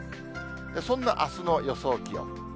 そんなあすの予想気温。